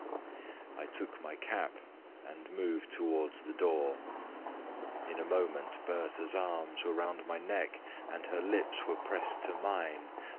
I took my cap and moved towards the door; in a moment Bertha's arms were round my neck, and her lips were pressed to mine.